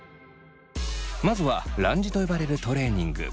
まずはランジと呼ばれるトレーニング。